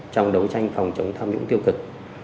trong đấu tranh phòng chống tham nhũng tiêu cực